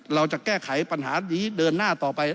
เราจะแก้ไขปัญหานี้เดินหน้าต่อไป